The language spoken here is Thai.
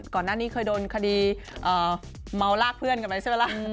ก่อนหน้านี้เคยโดนคดีเมาลากเพื่อนกันไปใช่ไหมล่ะ